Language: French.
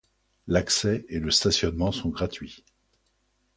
L'accès et le stationnement sont gratuits.